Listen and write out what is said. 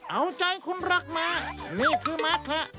เอาใจคุณรักมานี่คือมัดเถอะ